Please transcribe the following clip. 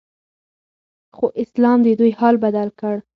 خو اسلام ددوی حال بدل کړ